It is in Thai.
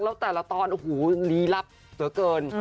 แล้วแต่ละตอนหลีลับเกิน